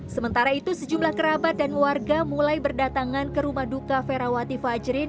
sementara itu sejumlah kerabat dan warga mulai berdatangan ke rumah duka ferawati fajrin